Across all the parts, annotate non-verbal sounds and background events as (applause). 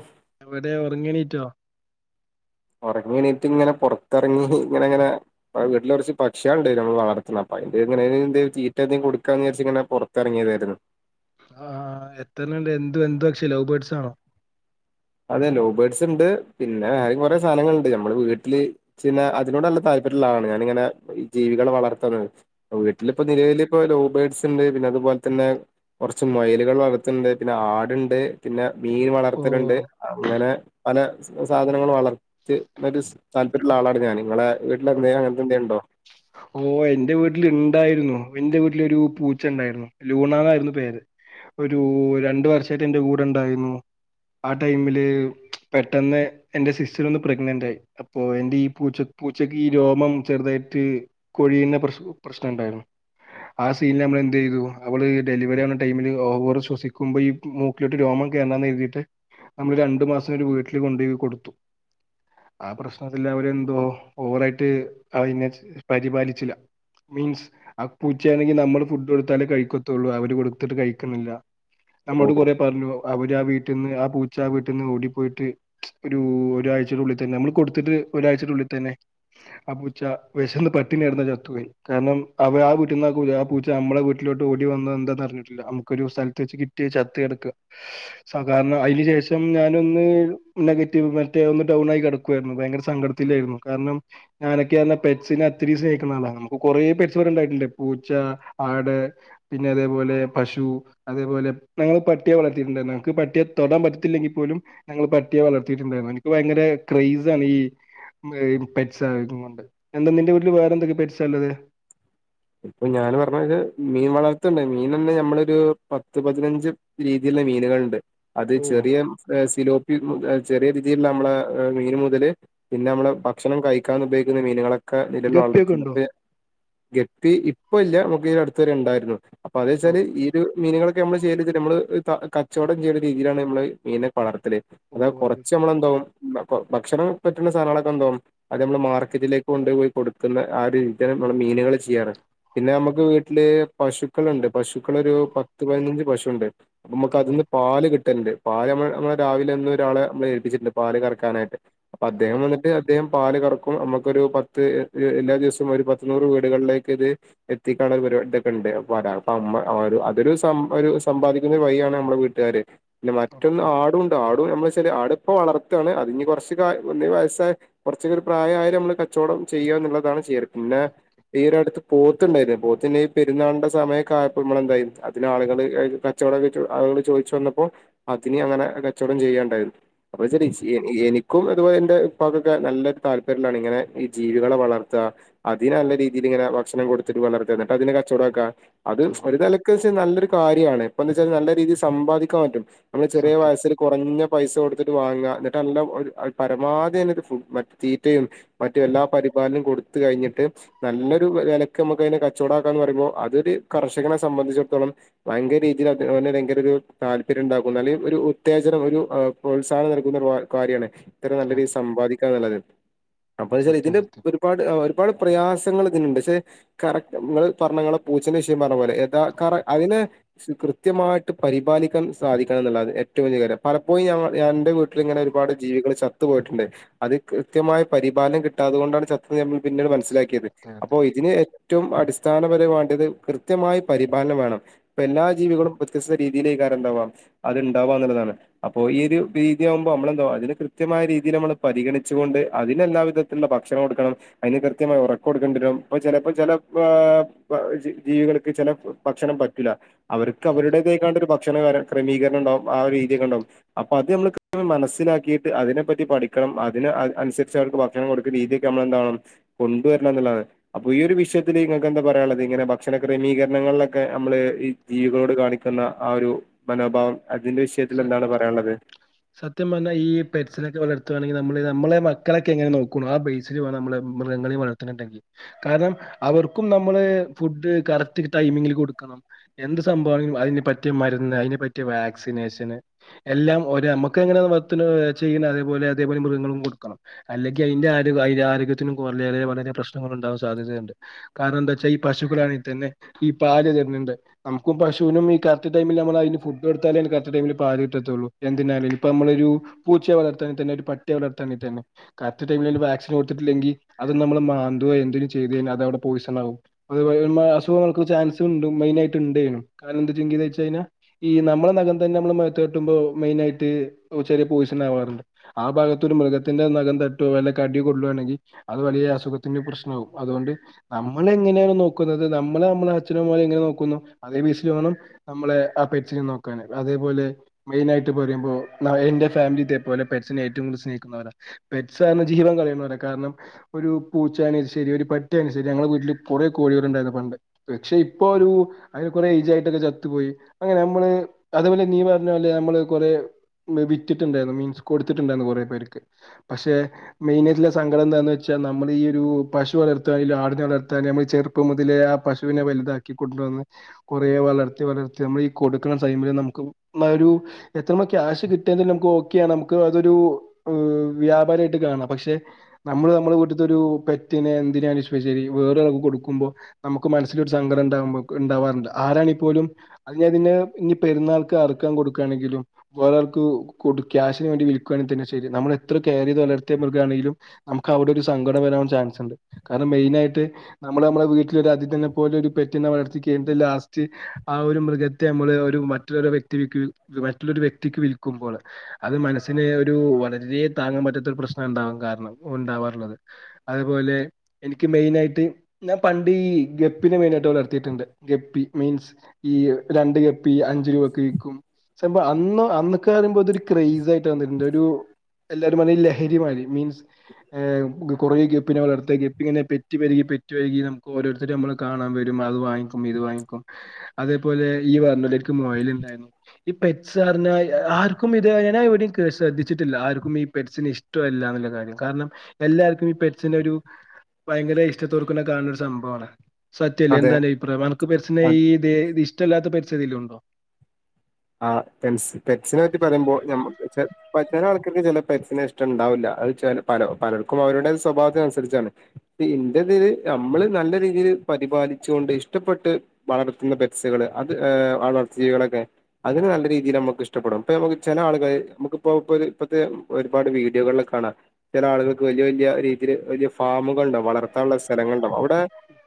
Of (unintelligible) എവിടെ ഒറങ്ങിഎണീറ്റോ ഒറങ്ങി എണീറ്റ് ഇങ്ങനെ പൊ റത്തിറങ്ങി ഇങ്ങന ഇങ്ങന വീട്ടില് കൊറച്ച് പക്ഷികളുണ്ട് നമ്മള് വളർത്തുന്ന അപ്പ അതിന്റെ ഇങ്ങനെ എന്തേലും തീറ്റ കൊടുക്കാന്ന് വിചാരിച്ച് ഇങ്ങനെ പൊറ ത്തിറങ്ങിയതായിരുന്നു ആഹ് ആഹ് ആഹ് എത്രണ്ണണ്ട് എന്ത് എന്തു പക്ഷി ലൗ ബേർഡ്സ് ആണോ അതെ ലൗബേർഡ്സ് ഉണ്ട് പിന്നെ വേറേം കുറേ സാധനങ്ങളുണ്ട് നമ്മള് വീട്ടില് പിന്നെ അതിനോട്ല്ല താല്പര്യമുള്ളആളാണ് ഞാനിങ്ങനെ ഈ ജീവികളെ വളർത്തുന്നത് വീട്ടിലിപ്പോ നിലവില് ഇപ്പ ലൗബേഡ്സ് ഉണ്ട് പിന്നെ അതുപോലെ തന്നെ കൊറച്ച് മൊയ ലുകൾ വളർത്തുന്നുണ്ട് പിന്നെ ആടുണ്ട് പിന്നെ മീൻ ഓ വളർത്തലുണ്ട് അങ്ങനെ പല സാധനങ്ങളും വളർ ത്തി താല്പര്യമുള്ള ആളാണ് ഞാന് നിങ്ങളെ വീട്ടിലെന്ത അങ്ങനത്തെ ന്തേലു ഉണ്ടോ ഓഹ് എന്റെ വീട്ടില്ണ്ടായിരുന്നു എന്റെ വീട്ടിലൊരു പൂച്ച ഉണ്ടായിരുന്നു ലൂണന്നായിരുന്നു പേര് ഒരു രണ്ട് വർഷായിട്ട് എന്റെ കൂടെ ഉണ്ടായിരുന്നു ആ ടൈമില് പെട്ടെന്ന് എന്റെ സിസ്റ്റർ ഒന്ന് പ്രഗ്നന്റായി അപ്പൊ എന്റെ ഈ പൂച്ച പൂച്ചക്ക് ഈ രോമം ചെറുതായിട്ട് കൊഴിയുന്ന പ്ര പ്രശ്നം ണ്ടായിരുന്നു ആഹ് സീനിൽ നമ്മൾ എന്ത് ചെയ്തു അവള് ഡെലിവറി ആവുന്ന ടൈമില് ഓവർ ശ്വസിക്കുമ്പോ ഈ മൂക്കിലോട്ട് രോമം കയറണ്ടാന്ന് കരുതിയിട്ട് നമ്മള് രണ്ടു മാസം ഒരു വീട്ടില് കൊണ്ടു പോയി കൊടുത്തു ആഹ് പ്രശ്നത്തിലവര് എന്തോ ഓവറായിട്ട് അതിനെ പരിപാലിച്ചില്ല മീൻസ് ആഹ് പൂച്ചയാണെങ്കി നമ്മള് ഫുഡ് കൊടുത്താലേ കഴിക്കത്തുള്ളൂ അവര് കൊടുത്തിട്ട് കഴിക്കുന്നില്ല നമ്മോട് ഓ കൊറേ പറഞ്ഞു അവര് ആഹ് വീട്ടിന്ന് ആഹ് പൂച്ച ആഹ് വീട്ടിന്ന് ഓടിപ്പോയിട്ട് ഒരു ഒരാഴ്ചയുടെ ഉള്ളിൽ തന്നെ നമ്മൾ കൊടുത്തിട്ട് ഒരാഴ്ചയുടെ ഉള്ളിൽ തന്നെ ആ പൂച്ച വെശന്ന് പട്ടിണി കെടന്നു ചത്തുപോയി കാരണം അവ ആ വീട്ടിന്ന് ആഹ് ആഹ് പൂച്ച നമ്മള വീട്ടിലോട്ട് ഓടി വന്ന എന്താന്ന് അറിഞ്ഞിട്ടില്ല നമുക്കൊരു സ്ഥലത്ത് വച്ച് കി- ട്ടി ചത്ത് കിടക്ക സാധാരണ അയിന് ശേഷം ഞാനൊന്ന് നെഗറ്റീവ് പറ്റി ഒന്ന് ഡൗൺ ആയി കെടക്കുവായിരുന്നു ഭയങ്കര സങ്കട ത്തിലായിരുന്നു കാരണം ഞാനൊക്കെയാണേ പെറ്റ്സിനെ ഒത്തിരി സ്നേഹിക്കുന്ന ആളാണ്. നമുക്ക് കൊറേ പെറ്റ്സുകൾ ഉണ്ടായിട്ടുണ്ട്. പൂച്ച, ആട് പിന്നെ അതേപോലെ പശു അതേപോലെ നമ്മള് പട്ടിയെ വളർത്തിയിട്ടുണ്ട് നമ്മക്ക് പട്ടിയെ തൊടാൻ പറ്റത്തില്ലെങ്കിൽ പോലും ഞങ്ങള് പട്ടിയെ വളർത്തിയിട്ടുണ്ടായിരുന്നു എനിക്ക് ഭയങ്കര ക്രെയ്സ് ആണ് ഈ- പെറ്റ്സുണ്ട്. എന്താ നിന്റെ വീട്ടിൽ വേറെ എന്തൊക്കെ പെറ്റ്സാ ഉള്ളത്. ഇപ്പൊ ഞാൻ പറഞ്ഞാല് മീൻ വളർത്തുണ്ട്. മീൻ തന്നെ നമ്മളൊരു പത്ത്, പതിനഞ്ച് രീതിയുള്ള മീനുകളുണ്ട്. അത് ഓ ചെറിയ സിലോപ്പി, ചെറിയ രീതിയിൽ നമ്മളെ മീന് മുതല് പിന്നെ നമ്മള് ഭക്ഷണം കഴിക്കാൻ ഉപയോഗിക്കുന്ന മീനുകളൊക്കെ നിലവിൽ ഗപ്പിയൊക്കെ വളർത്തുന്നു ഉണ്ടോ ഇപ്പം ഇല്ല. നമുക്ക്ഈ അടുത്ത് വരെ ഉണ്ടായിരുന്നു. അപ്പൊ അത് ഓ വെച്ചാല് ഈ ഇത് മീനുകളൊക്കെ നമ്മള് ചെയ്യല് ച്ചാല് നമ്മള് കച്ചവടം ചെയ്യുന്ന രീതിയിലാണ് നമ്മള് മീനെ വളർ ത്തല് അത് കൊറച്ച് നമ്മളെന്താവും. ഭക്ഷണം പറ്റുന്ന സാനങ്ങളൊക്കെ എന്താകും അത് നമ്മള് മാർക്കറ്റിലേക്ക് കൊണ്ടു പോയി കൊടുക്കുന്ന ആ രീതിയിൽ നമ്മ മീനുകളെ ചെയ്യാറ്. പിന്നെ നമ്മുക്ക് വീട്ടില് പശുക്കൾ ഉണ്ട്. പശുക്കൾ ഒരു പത്ത്, പതിനഞ്ച് പശുണ്ട് നമുക്ക് ഓ അതിൽന്ന് പാല് കിട്ടൽണ്ട് പാല് നമ്മൾ. നമ്മളെ രാവിലെന്ന ഒരാളെ നമ്മള് ഏൽപ്പിച്ചിട്ടുണ്ട്. പാല് കറക്കാനായിട്ട്. അദ്ദേഹം വന്നിട്ട് അദ്ദേഹം പാല് കറക്കും. നമുക്കൊരു പത്ത് എല്ലാ ദിവസവും ഒരു പത്തു നൂറ് വീട് വീടുകളിലേക്ക് ഇത് എത്തിക്കാന് ഒരു പരിപാടി ഇതൊക്കെ ഉണ്ട്. വരാ അപ്പൊ അമ്മ അതൊരു ഒരു സമ്പാദിക്കുന്ന വഴിയാണ്നമ്മളെ വീട്ടുകാര് പിന്നെ ഓ മറ്റൊന്ന് ആടുംണ്ട്. ആടും എന്നു വച്ചാല് ആട് ഇപ്പം വളർത്തണ് അതിപ്പോ കുറച്ച് ഒന്ന് വയസ്സായ കുറച്ച് ഒരു പ്രായമായാൽ നമ്മള് കച്ചവടം ചെയ്യുക എന്നുള്ളതാണ് ചെയ്യാറ്. പിന്നെ ഈ ഒരു അടുത്ത് പോത്തുണ്ടായിരുന്നു പോത്ത്ന്നെ ഈ പെരുന്നാളിന്റെ സമയൊക്കായപ്പോൾ നമ്മളെന്തായും അതിന് ആളുകൾ കച്ചവടം ആളുകൾ ചോദിച്ചു വന്നപ്പോൾ, അതിനെ അങ്ങനെ കച്ചവടം ചെയ്യുകണ്ടായിരുന്നു അപ്പൊ ഇത് ഓ എനിക്ക് ഇൻക്കും അതുപോലെ എന്റെ ഉപ്പാക്കൊക്കെ നല്ലൊരു താല്പര്യത്തിലാണ് ഇങ്ങനെ ജീവികളെ വളർത്ത. അതിന് നല്ല രീതി ഈ രീതി ഇങ്ങനെ ഭക്ഷണം കൊടുത്തിട്ട് വളർത്തിട്ട് അതിനെ കച്ചവടാക്കുക. അത് ഓ, ഒരു നെലക്ക് നല്ലൊരു കാര്യണ്. ഇപ്പം എന്താന്ന് വെച്ചാ നല്ല രീതിയിൽ സമ്പാദിക്കാൻ പറ്റും. നമ്മള ചെറിയ സത്യം വയസ്സിൽ കുറഞ്ഞ പൈസ കൊടുത്തിട്ട് വാങ്ങ എന്നിട്ട് നല്ല പരമാവധി തന്നെ ഫുഡ് മറ്റ് തീറ്റയും മറ്റ് എല്ലാ പരിപാലനും കൊടുത്ത് കഴിഞ്ഞിട്ട് നല്ലൊരു വിലക്ക് നമുക്ക് അതിനെ കച്ചവടമാക്കാ എന്ന് പറയുമ്പോൾ അതൊരു കർഷകനെ സംബന്ധിച്ചിടത്തോളം ഭയങ്കര രീതിയിൽ, ഭയങ്കര ഒരു താല്പര്യം ഉണ്ടാക്കുന്നു. അല്ലെ ഒരു ഉത്തേജനം ഒരു പ്രോത്സാഹനം നൽകുന്ന ഒരു കാര്യമാണ്. നല്ല രീതിയൽ അതെ സമ്പാദിക്കാ എന്നുള്ളത്. അപ്പംന്ന് വെച്ചാൽ സത്യം ഇതിന്റെ സത്യം ഒരുപാട്, ഒരുപാട് പ്രയാസം പക്ഷെ കറക്റ്റ് ഇങ്ങൾ പറഞ്ഞെ പൂച്ചന്റെ വിഷയം പറഞ്ഞ പോലൊ അതിനെ കൃത്യമായിട്ട് പരിപാലിക്കാൻ സാധിക്കണം എന്നുള്ളതാണ് ഏറ്റവും വലിയ കാര്യം. പലപ്പോഴും ഞാൻ എൻ്റെ വീട്ടിൽ ഇങ്ങനെ ഒരുപാട് ജീവികൾ ചത്തു പോയിട്ടുണ്ട് അത് കൃത്യമായ പരിപാലനം കിട്ടാത്തതു കൊണ്ടാണ് ചത്തുപോയതെന്ന് നമ്മൾ പിന്നീട് മനസ്സിലാക്കിയത്. അതെ അപ്പോ അതെ ഇതിന് ഏറ്റവും അടിസ്ഥാനപരമായി വേണ്ടത് ഇത് കൃത്യമായി പരിപാലനം വേണം ഇപ്പൊ എല്ലാ ജീവികളും വ്യത്യസ്ത രീതിയിലേ കാര്യംണ്ടാവാം അത്ണ്ടാവാ എന്നുള്ളതാണ് അപ്പൊ ഈ ഒരു രീതിയാവുമ്പോ നമ്മളെന്തോ അതിന് കൃത്യമായ രീതിയിൽ നമ്മള് പരിഗണിച്ചു കൊണ്ട് അതിന് എല്ലാവിധം ഭക്ഷണം കൊടുക്കണം അതിന് കൃത്യമായ ഉറക്കണം. കൊടുക്കേണ്ടിവരും. ഇപ്പം ചിലപ്പോ ചില ജീവികൾക്ക് ചില ഭക്ഷണം പറ്റില്ല അവർക്ക് അതെ അവരുടേതേക്കാണ്ട ഒരു ഭക്ഷണ ക്രമീകരണം ഉണ്ടാവും. ആഹ് രീതിയക്ക ഉണ്ടാകും. അപ്പൊ അത് നമ്മ മനസ്സിലാക്കിയിട്ട് അതിനെപ്പറ്റി പഠിക്കണം. അതിന് അനുസരിച്ച് അവർക്ക് ഭക്ഷണം കൊടുക്കുന്ന രീതിയൊക്കെ നമ്മളെന്തണം നല്ലതാണ് അപ്പൊ ഈ ഒരു വിഷയത്തിൽ നിങ്ങൾക്ക് എന്താ പറയാനുള്ളത്. ഇങ്ങനെ ഭക്ഷണ ക്രമീകരണങ്ങളിലൊക്കെ അമ്മള് ജീവികളോട് കാണിക്കുന്ന ആ ഒരു മനോഭാവം അതിന്റെ സ വിഷയത്തിൽ എന്താണ് പറയാനുള്ളത്. സത്യം പറഞ്ഞാ ഈ പെറ്റ്സിനൊക്കെ വളർത്തുകയാണെങ്കിൽ നമ്മള് നമ്മളെ മക്കളൊക്കെ എങ്ങനെ നോക്കുന്ന ആ ബേസിൽ വേണം നമ്മൾ മൃഗങ്ങളിൽ. കാരണം അവർക്കും നമ്മള് ഫുഡ് കറക്റ്റ് ടൈമിങ്ങിൽ കൊടുക്കണം. എന്ത് സംഭവമാണ്. അതിന് പറ്റിയ മരുന്ന്. അതിന് പറ്റിയ വാക്സിനേഷൻ എല്ലാം ഒര നമ്മുക്ക എങ്ങനെ ചെയ്യുന്ന അതേപോലെ അതേപോലെ മൃഗങ്ങളും കൊടുക്കണം അല്ലെങ്കി അതിന്റെ ആ ആരോഗ്യത്തിനും കുറേവളരെ പ്രശ്നങ്ങൾ ഉണ്ടാവാൻ സാധ്യതയുണ്ട് കാരണം എന്താ വച്ചാ ഈ പശുക്കളാണെിൽ തന്നെ ഈ പാല് തരുന്നുണ്ട് നമുകു പശുനും ഈ കറക്ട് ടൈമിൽ നമ്മൾ അയ്ന് ഫുഡ് കൊടുത്താല ടൈമിൽ പാ കിട്ടത്തുള്ളൂ എന്തിനാല ഇപ്പ നമ്മളൊരു പൂച്ചയ വളർത്താണങ്കി തന്നെ ഒരു പട്ടിയെ വളർത്താണങ്കിൽ തന്നെ കറക്റ്റ് ടൈമ വാക്സിൻ കൊടുത്തിട്ടില്ലെങ്കിൽ അത് നമ്മള് മാന്തുക എന്തെങ്കും ചെയ്തൽ അത് അവിടെ പോയിസൺ ആകും അത്പോലെയുള്ള അസുഖങ്ങൾ ക്ക് ചാൻസ ഉണ്ട് മെയിനായിട്ട്ഉണ്ട് കാരണം എന്താന്ന ചോയ്ചയ്ഞാ ഈ നമ്മളെ നഖം തന്നെ നമ്മള് മേത്ത് ത ട്ടുമ്പോ മെയിനായിട്ട് ചെറിയ പൊയിഷൻ ആവാറുണ്ട് ആ ഭാഗത്ത് ഒരു മൃഗത്തിന്റെ നഖം തട്ടോ അല്ല കടി കൊള്ളുയാണെങ്കിൽ അത് വലിയ അസുഖത്തിന്റെ പ്രശ്നകവും അതുകൊണ്ട് നമ്മള എങ്ങനെയാണ് നോക്കുന്നത് നമ്മളെ നമ്മളെ അച്ഛനമ്മമാരെ എങ്ങനെ നോക്കുന്നു അതേ ബെസിൽ വേണം നമ്മളെ ആ പെറ്റിനെ നോക്കാന് അതേപോലെ മെയിനായിയിട്ട് പറയുമ്പോ എന്റെ ഫാമിലിത്തെ പോലെ പെട്സിനെ ഏറ്റവും കൂടുതൽ സ്നേഹിക്കുന്നവരാണ് പെറ്റ് സ് റഞ്ഞാ ജീവൻ കളയുന്നവരാ കാരണം ഒരു പൂച്ചാണ് ശരി ഒരു പട്ടിയാണെ ശരി ഞങ്ങളെ വീട്ടില് കുറെ കോഴികൾ ഉണ്ടായിന്ന് പണ്ട് പക്ഷെ ഇപ്പൊ ഒരു അതിന് കൊറെ ഏയ്ജ് ആയിട്ടൊക്കെ ചത്തുപയി അങ്ങനെ നമ്മള് അതേപോലെ നീ പറഞ്ഞ പോലെ നമ്മള് കുറെ വിറ്റിട്ടുണ്ടായിരുന്നു മീൻസ് കൊടുത്തിട്ടുണ്ടായിരുന്നു കുറേ പേർക്ക് പക്ഷെ മെയിനയ്ട്ടുള്ള സങ്കടം എന്താന്ന് വെച്ചാ നമ്മൾഈ ഒരു പശു വളർത്താെ ആടിന വളർത്താെന് നമ്മൾ ചെർ ർപ്പ മുതലേ ആ പശുവിനെ വലുതാക്കി കൊണ്ടുവന്ന് കുറെേ വളർത്തി വളർത്തി നമ്മൾ ഈ കൊടുക്ക് ണ ടൈമി ന്നാ ഒരു എത്ര മാ ക്യാഷ് കിട്ടാന്ന് റഞ്ഞ നമുക്ക് ഓക്കെയ നമുക്ക് അതൊരു വ്യാപാരായിട്ട് കാണാം പക്ഷെ നമ്മള് നമ്മളെ വീട്ട്ത്തൊരു പെറ്റിനെ എന്തിനാണ് ശരി വേറെരാൾക് കൊടുക്കുമ്പോ നമുക്ക് മനസ്സിലൊരു സങ്കടം ഉണ്ടാവുമ്പോ ഉണ്ടാവാറുണ്ട് ആരാണിപ്പോലും അതിന് അതിനെ ഇനി പോ പെരുന്നൾക്ക് അറക്കാൻ കൊടുക്കാണെങ്കിലും വേറൊൾക്കു കൊട് ക്യാഷിന് വേണ്ടി വിൽക്കുണെങ്കി തന്നെ ശരി നമ്മള് എത്ര കെയർ ചെയ്ത് വലർത്തിയ മൃഗ ആണെങ്കിലും നമുക്ക് അവിടെ ഒരു സങ്കട വരാൻ ചാൻസ്ുണ്ട് കാരണം മെയിനായിട്ട് നമ്മള് നമ്മളെ വീട്ടിലൊരു അതിതിനെ പോലൊരു പെറ്റിനെ വളർത്തി കഴിഞ്ഞിട്ട് ലാസ്റ്റ് ആ ഒരു മൃഗത്തെ നമ്മള് ഒരു മറ്റൊരു വ്യക്തിക് മറ്റുള്ളൊരു വ്യക്തിക്ക് വിൽക്കുമ്പോൾ അത് മനസ്സിന് ഒരു വളരെ താങ്ങാൻ പറ്റാത്ത പ്രശ്നം ഉണ്ടാവു കാരണം ഉണ്ടാവാറുള്ളത് അതുപോലെ എനിക്ക് മെയിനായിട്ട് ഞാൻ പണ്ട് ഈ ഗപ്പി നെ മെയിനായിട്ട് വളർ ത്തിട്ടുണ്ട് ഗപ്പി മീൻസ് ഈ രണ്ട് ഗപ്പി അഞ്ചു രൂപക്ക് വിക്കും ച അന്ന് അന്ന്ക്കെ പറയുമ്പോ അതൊരു ക്രേസ് ആയിട്ട് തന്നിട്ടുണ്ട് ഒരു എല്ലാരും പറഞ്ഞു ഈ ലഹരിമാരി മീൻസ് കുറെ ഗപ്പിനെ വളർത്താ ഗപ്പിങ്ങിനെ പെറ്റ് പെരുകി പെറ്റ് പെരുകി നമുക്ക് ഓരോരു നമ്മള് കാണാൻ വരും അത് വാങ്ങിക്കും ഇത് വാങ്ങിക്കും അതേപോലെ യ്യ് പറഞ്ഞില്ലേ ക്ക് മൊയൽ ഉണ്ടായിരുന്നു ഈ പെറ്റ്സ് പറഞ്ഞ ആർക്കും ഇത് ഞാൻ എവിടെയും കേ ശ്രദ്ധിച്ചിട്ടില്ല ആർക്കും ഈ പെറ്റ്സിന് ഇഷ്ടം ഇഷ് ടല്ലാ എന്നുള്ള കാര്യം കാരണം എല്ലാർക്കും ഈ പെറ്റ്സിനെ ഒരു ഭയങ്കര ഇഷ്ടത്തോട്ക്കണ കാണണ ഒരു സംഭവമാണ് സത്യല്ലേ അതെ. എന്താണ് അന്റെ അഭിപ്രായം അണക്ക് പെറ്റ്സിന ഈ ദെ ഇഷ്ടല്ലാത്ത പെറ്റ്സ് ഏതേലും ഉണ്ടോ ആ പെൻ പെൻസിനെ പറ്റി പറയുമ്പോൾ നമുക് (unintelligible) ആൾക്കാക്ക് ചെല പെറ്റ്സിനെ ഇഷ്ട ണ്ടാവുല്ല അത് ചെലോ പലപലർക്കും അവരുടെ സ്വഭാവത്തിന് അനുസരിച്ചാണ് ഇൻ്റെതില് നമ്മള് നല്ല രീതിയിൽ പരിപാലിച്ചോണ്ട് ഇഷ്ടപ്പെട്ട് വളർത്തുന്ന പെറ്റ് സുകള് അത് വളർത്തികളൊക്കെ അതിന് നല്ല രീതിയിൽ നമുക്ക് ഇഷ്ടപ്പെടും ഇപ്പ ചെല ആളുകൾ നമുക്ക്പ്പോ ഇപ്പോരു ഇപ്പത്തെ ഒരുപാട് വീഡിയോകളില് കാണാം ചെല ആളുകൾക്ക് വല്ല്യ വല്ല്യ രീതിൽ വല്ല്യ ഫാമുകുകള് ഉണ്ടാവും വളർത്താള്ള സ്ഥലങ്ങളുണ്ടാകും അവിടെ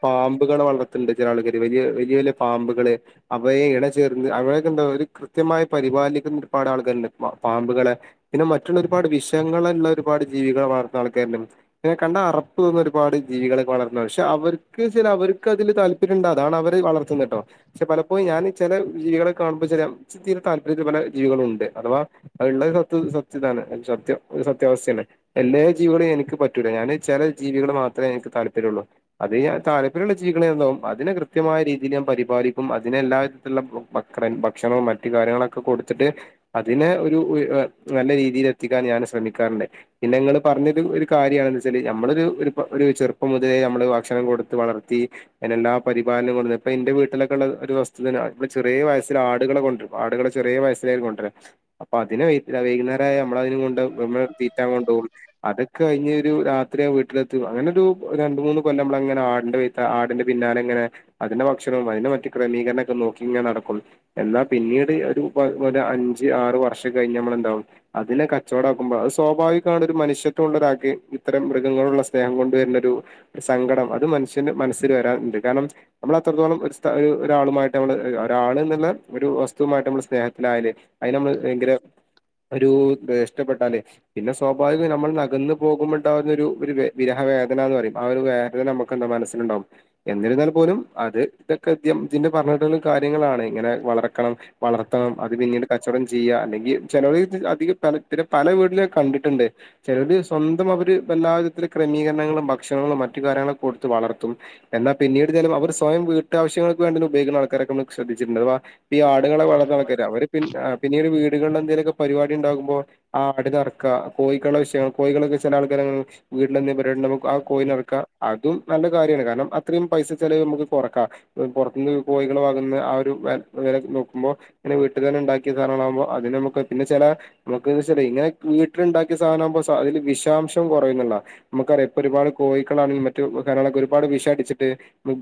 പാമ്പുകളെ വളർത്ത്ണ്ട് ചില ആൾുകാര് വലിയ വലിയ വലിയ പാമ്പുകള് അവയ ഇണ ചേർന്ന് അവ യൊക്കെ എന്താ ഒരു കൃത്യമായി പരിപാലിക്കുന്ന ഒരുപാട് ആൾക്കാരുണ്ട് പപാമ്പുകളെ പിന്നെ മറ്റുള്ള ഒരുപാട് വിഷങ്ങളുള്ള ഒരുപാട് ജീവികള വളർന്നുന്ന ആൾക്കാര്ണ്ട് ങ്ങനെ കണ്ട അറപ്പ് തോന്നുന്ന ഒരുപാട് ജീവികൾ വളർന്നു പക്ഷെ അവർക്ക്ച്ചല് അവർക്ക് അതില് താല്പ ര്യണ്ട് അതാണ് അവര് വളർത്തുന്നട്ടോ പക്ഷെ പലപ്പോഴും ഞാന് ചെല ജീവികളെ കാണുമ്പോ ചെല ഇച്ച് തീരെ താല്പര്യപ്പെടാ ജീവികളുണ്ട് അഥവാ അത്ള്ളത് സത് സത്യതാണ് സത്യം ഒരു സത്യാവസ്തേണ് എല്ലേ ജീവികളേം എനിക്ക് പറ്റൂല ഞാന് ചെല ജീവികള് മാത്രേ എനിക്ക് താല്പര്യൊള്ളൂ അതിനെ താല്പര്യള്ള ജീവികളെ ന്താകും അതിനെ കൃത്യമായ രീതിയില് ഞാൻ പരിപാലിക്കും അതിനെ എല്ലാ ത്തില്ള്ള ഭക്കണ ഭക്ഷണോം മറ്റു കാര്യങ്ങളൊക്കെ കൊടുത്തിട്ട് അതിനെ ഒരു ഏഹ് നല്ല രീതിയിലെത്തിക്കാൻ ഞാൻ ശ്രമിക്കാറുണ്ട് പിന്നെങ്ങള് പറഞ്ഞത് ഒരു കാര്യാണ് എന്തച്ചാല് നമ്മളൊരു ഒരു പ്പൊ ഒരു ചെറുപ്പം മുതലേ നമ്മള് ഭക്ഷണം കൊടുത്ത് വളർത്തി അതിനെല്ലാ പരിപാലനം കൊണ്ട് ഇപ്പൊ ഇന്റെ വീട്ടിലൊക്കെ ഉള്ള ഒരു വസ്തുത ഇ ചെറിയ വയസ്സിൽ ആടുകളെ കൊണ്ട്രും ആടുകളെ ചെറിയ വയസിലായിരിക്കും കൊണ്ടര അപ്പൊ അതിന് വ വൈകുന്നേരായ നമ്മളയിനേം കൊണ്ട് നമ്മള് തീറ്റാങ്കൊണ്ടോകും അതൊക്കെ കഴിഞ്ഞ് ഒരു രാത് ത്രി വീട്ടിലെത്തും അങ്ങനൊരു രണ്ട് മൂന്ന് കൊല്ലം മ്മളങ്ങനെ ആടിന്റെ വെയ്താ ആടിന്റെ പിന്നാലെ ങ്ങനെ അതിന്റെ ഭക്ഷണം അതിന്റെ മറ്റ് ക്രമീകരണക്കെ നോക്കി ങ്ങനെ നടക്കും എന്നാ പിന്നീട് ഒരു പ്പൊ പ്പൊരു അഞ്ച് ആറ് വർഷം കഴിഞ്ഞ മ്മളെന്താവും അതിനെ കച്ചവടാക്കുമ്പോ അത് സ്വാഭാവികാണ് ഒരു മനുഷ്യത്വുള്ളൊരാക്ക് ഇത്തരം മൃഗങ്ങളുള്ള സ്നേഹം കൊണ്ടുവര്ണൊരു ഒരു സങ്കടം അത് മനുഷ്യന്റെ മനസ്സില് വരാറുണ്ട് കാരണം നമ്മളത്രത്തോളം ഒരു സ്ഥ ഒരാളുമായിട്ട് നമ്മള് ഒരാള്ന്നല്ല ഒരു വസ്തുവമായിട്ട് നമ്മള് സ്നേഹത്തിലായല് അയിന് നമ്മള് ഭയങ്കര ഒരു ഇഷ്ടപ്പെട്ടാല് പിന്നെ സ്വാഭാവികം നമ്മള്ന്നകന്നു പോകുമ്പോണ്ടാവുന്നൊരു ഒരു വേ വിരഹ വേദന ന്ന് പറയും ആഹ് ഒരു വേദന നമ്മക് ക്കെന്താ മനസ്സില്ണ്ടാവും എന്നിരുന്നാൽ പോലും അത് ഇതൊക്കെ ഇ ഇതിന്റെ പറഞ്ഞിട്ട്ള്ള കാര്യങ്ങളാണ് ഇങ്ങനെ വളർക്കണം വളർത്തണം അത് പിന്നീട് കച്ചവടം ചെയ്യ അല്ലെങ്കി ചെലോല് അധികം പല ഇതി പല വീടിലെ ഞാൻ കണ്ടിട്ട്ണ്ട് ചെലോര് സ്വന്തം അവര് എല്ലാവിധത്തില് ക്രമീകരണങ്ങളും ഭക്ഷണങ്ങളും മറ്റു കാര്യങ്ങളൊക്കെ കൊടുത്ത് വളർത്തും എന്നാ പിന്നിട് ചെലർ അവർ സ്വയം വീട്ട് ആവശ്യങ്ങൾക്ക് വേണ്ടി ഉപയോഗിക്കണ ആൾക്കാരൊക്കെ നമ്മള് ശ്രദ്ധിച്ചിട്ടുണ്ടാവാ ഈ ആടുകളെ വളർത്തണൊക്കെ അവര് പിന്നീട് വീട് വീടുകളില് എന്തേലൊക്കെ പരിപാടി ണ്ടാകുമ്പോ ആടിനറക്ക കോഴിക്കള വിഷയങ്ങ കോഴികളൊക്കെ ചെല ആൾക്കാര് വീട്ടിലെന്തേലും പരിപാടി ണ്ടാകുമ്പോ ആ കോയിനേ അറക്കാ അതും നല്ല കാര്യാണ് കാരണം അത്രേം പൈസ ചെലവ് നമ്മക്ക് കൊറക്കാം പൊറത്തുന്ന് കോഴികളെ വാങ്ങുന്ന ആ ഒരു വ വെല നോക്കുമ്പോ ങ്ങനെ വീട്ട് തന്നെ ണ്ടാക്കിയ സാനങ്ങളാകുമ്പോ അതിന് നമ്മക്ക് പിന്നെ ചെല നമുക്കെന്താച്ചാലേ ഇങ്ങനെ വീട്ടില്ണ്ടാക്കിയ സാനാകുമ്പോ സ അതില് വിഷാംശം കുറയുംന്നിള്ളതാ നമ്മക്കറിയാം ഇപ്പൊ ഒരുപാട് കോഴിക്കളാണെലും മറ്റേ കാരാളൊക്കെ ഒരുപാട് വിഷടിച്ചിട്ട്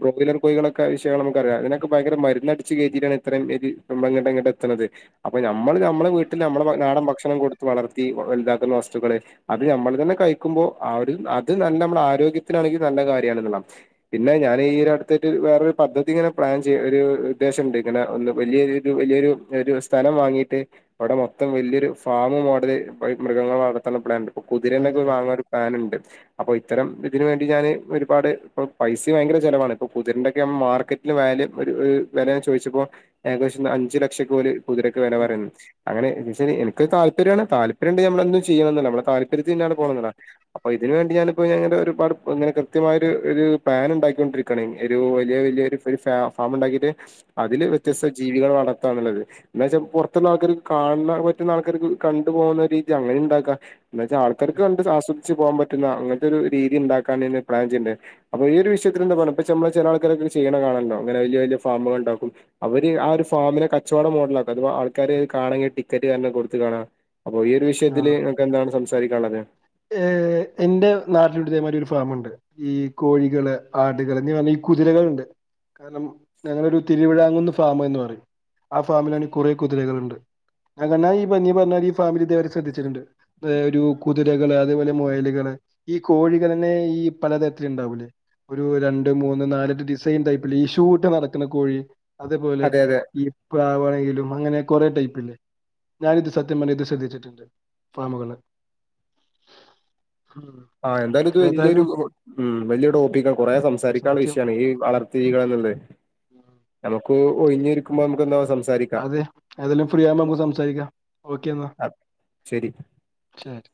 ബ്രോയിലർ കോഴികളൊക്കെ വിഷയങ്ങള് നമ്മക്കറിയാം അയിനൊക്കെ ഭയങ്കര മരുന്നടിച്ച് കേറ്റിട്ടാണ് ഇത്രേം ഏറ്റി ഞമ്മളെങ്ങട്ട് ഇങ്ങട്ട് എത്തണത് അപ്പൊ ഞമ്മള് ഞമ്മളെ വീട്ടില് ഞമ്മളെ നാടൻ ഭക്ഷണം കൊടുത്ത് വളർത്തി വല്താക്കുന്ന വസ്തുക്കള് അത് ഞമ്മളതന്നെ കഴിക്കുമ്പോ ആട് അത് നമ്മള് തന്നെ കയ്ക്കുബൊൾ അത് ആരോഗ്യത്തിനാണെങ്കി നല്ല കാര്യാണ് ന്ന്ള്ളേണ് പിന്നെ ഞാനി ഒരു അടുത്തട്ട് വേറൊരു പദ്ധതി ഇങ്ങനെ പ്ലാൻ ചെയ ഒരു ഉദ്ദേശണ്ട് ഇങ്ങനെ ഒന്ന് വല്യരു വല്യൊരു ഒരു സ്ഥലം വാങ്ങീട്ട് അവിടെ മൊത്തം വല്യൊരു ഫാമു മോഡല് മൃഗങ്ങളളെ വളർത്താനൊരു പ്ലാനിണ്ട് പ്പൊ നല്ല കുതിരനൊക്കെ കാര്യമാണ് വാങ്ങാ പ്ലാനിണ്ട് അപ്പൊ ഇത്തരം ഇതിന് വേണ്ടി ഞാന് ഒരുപാട് ഇപ്പ പൈസിം ഭയങ്കര ചെലവാണ് ഇപ്പൊ കുതിരന്റെക്കെ മാർക്കറ്റ് വാല്യൂ ഒരു വെല ചോയിച്ചപ്പോ ഏകദേശം അഞ്ചു ലക്ഷക്കെ ഓല് കുതിരക്ക് വെല ഉം, പറയുന്നത് അങ്ങനെച്ചല് ഇൻക് താല്പര്യാണ് താല്പര്യണ്ടേ നമ്മളെന്തും ചെയ്യണം ന്നല്ലേ നമ്മളെ താല്പ ര്യത്തിനാണ് പോണങ്ങനെ അപ്പ ഇതിന് വേണ്ടി ഞാനിപ്പോ അങ്ങനെ ഒരുപാട് ഇങ്ങനെ കൃത്യമായ ഒരു ഒരു പ്ലാൻ ണ്ടാക്കൊണ്ടിരിക്കാണ് ഒരു വല്യ വല്യൊരു ഒരു ഫ ഫാം ണ്ടാക്കിട്ട് അതില് അതെ വ്യത്യസ്ത ജീവികളെ വളർത്താന്ന്ള്ളത് ന്താച്ചാ പൊറത്തുള്ള ആൾക്കാർക്ക് കാണാ പറ്റുന്ന ആൾക്കാർക്ക് ഇത് കണ്ടുപോകുന്ന രീതിയാണല്ലോ ഇണ്ടാക്കാ ന്നുവെച്ചാ അതെ ആൾക്കാർക്ക് കണ്ട് ആസ്വദിച്ച് പോകാൻ പറ്റുന്ന അങ്ങനത്തൊരു രീതി ഇണ്ടാക്കാനിനി പ്ലാൻ ചെയ്യണ്ടേ അപ്പൊ ഈ ഒരു വിഷയത്തിലെന്താ പറയിപ്പിച്ച് ചമ്മളെ ചെല ആൾക്കാരൊക്കെ ചെയ്യണ കാണല്ലോ ഇങ്ങനെ വല്യ വല്യ ഫാമ്കള്ണ്ടാക്കും. അവര് ആ ഒരു ഫാമിനെ കച്ചവടം മോഡലാക്കാ അതവ ആൾക്കാര് കാണെങ്കിൽ ടിക്കറ്റ് കാരണം കൊടുത്ത് കാണാകാ അപ്പൊ ഈയൊരു വിഷയത്തില് ഇങ്ങക്ക് എന്താണ് സംസാരിക്കാനുള്ളത്? ഏ് എന്റെ നാട്ടിലുണ്ട് ഇതേമാതിരി ഒരു ഫാമുണ്ട്. ഈ കോഴികള് ആടുകള് എന്തിന് പറഞ്ഞാ ഈ കുതിരകള്ണ്ട്. കാരണം ഞങ്ങളൊരു തിരുവിഴാകുന്ന് ഫാമെന്ന് പറയും. ആ ഫാമിലാണെൽ കൂറെ കുതിരകളുണ്ട്. (inaudible) പറഞ്ഞാരി ഈ ഫാമിലി ഇദേവരെ ശ്രദ്ധിച്ചിട്ടുണ്ട്. ഏ ഒരു കു കുതിരകള് അതേപോലെ മുയലുകള് ഈ കോഴികളന്നെ ഈ പലതരത്തില് ഇണ്ടാവൂലേ ഒരു രണ്ട് മൂന്ന് നാലെട്ട് ഡിസൈൻ ടൈപ്പില് ഈ ഷൂ ഇട്ട് നടക്കുന്ന കോഴി. അതേപോലെ അതെ അതെ ഈ പ്രാവണെങ്കിലും അങ്ങനെ കുറേ ടൈപ്പില്ലേ ഞാനിത് സത്യം പറഞ്ഞ ഇത് ശ്രദ്ധിച്ചിട്ടുണ്ട്. ഫാമുകള. ആഹ ആ എന്തായാലും ഇത് വലിയൊരു വെല്യരു വല്യ ടോപ്പിക്ക കൂറേ സംസാരിക്കാനുള്ള സത്യം വിഷയാണ്. ഈ വളർ ജീവികളന്നല്ലേ. ഉം. നമുക്ക് ഒഴിഞ്ഞൊരിക്കുമ്പോ നമുക്ക് എന്തവ സംസാരിക്ക അതെ. ഏതെല്ലും ഫ്രീ ആവുമ്പോൾ നമുക്ക് സംസാരിക്കാം. ഓക്കെന്ന. ആ, ശരി ശെരി.